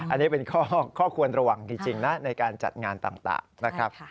อันนี้เป็นข้อควรระวังจริงนะในการจัดงานต่างนะครับ